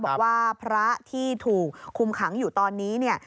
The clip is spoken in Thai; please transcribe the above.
บอกว่าพระที่ถูกคุมขังอยู่ตอนนี้เนี่ย